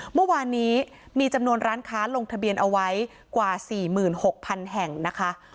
เมื่อวานนี้มีจำนวนร้านค้าลงทะเบียนเอาไว้กว่า๔๖๐๐๐แห่งนะคะ